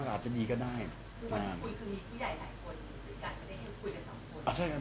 คุณพูดว่าที่คุยคือมีผู้ใหญ่หลายคนหรือกันไม่ได้คุยกันสองคน